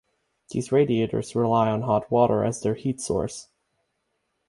These radiators rely on hot water as their heat source.